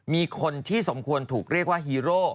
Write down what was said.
มีคนที่สมควรถูกเรียกว่าฮีโร่